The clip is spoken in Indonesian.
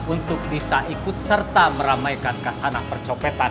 untuk bisa ikut serta meramaikan kasanah percopetan